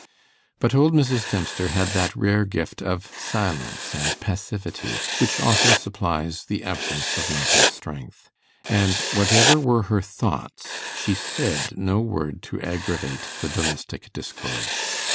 But old Mrs. Dempster had that rare gift of silence and passivity which often supplies the absence of mental strength; and, whatever were her thoughts, she said no word to aggravate the domestic discord.